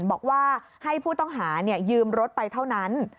บอกว่าให้ผู้ต้องหายืมรถไปเท่านั้น